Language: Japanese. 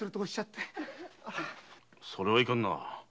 それはいかんな。